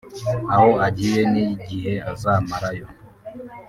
aho agiye n’igihe azamara yo